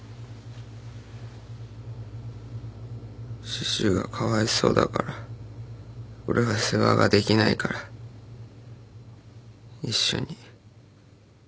シシがかわいそうだから俺は世話ができないから一緒に。